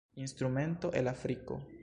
Instrumento el Afriko.